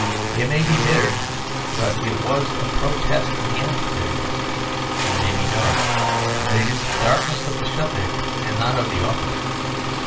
It may be bitter, but it was a protest against bitterness. It may be dark, but it is the darkness of the subject and not of the author.